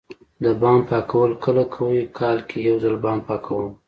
د بام پاکول کله کوئ؟ کال کې یوځل بام پاکوم